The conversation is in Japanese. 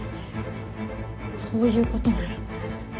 そういうことなら。